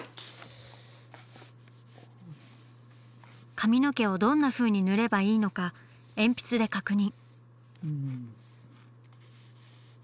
髪の毛をどんなふうに塗ればいいのか鉛筆で確認。